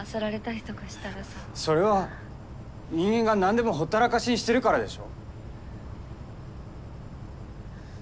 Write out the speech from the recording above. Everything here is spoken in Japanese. それは人間が何でもほったらかしにしてるからでしょ？